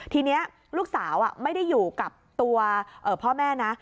ทีนี้ลูกสาวไม่ได้อยู่กับตัวพ่อแม่นะ